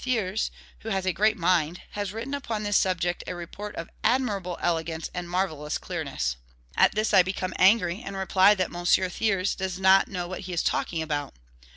Thiers, who has a great mind, has written upon this subject a report of admirable elegance and marvellous clearness. At this I become angry, and reply that M. Thiers does not know what he is talking about.